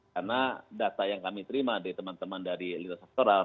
karena data yang kami terima dari teman teman dari lidl sektoral